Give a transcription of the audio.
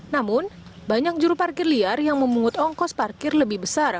namun banyak juru parkir liar yang memungut ongkos parkir lebih besar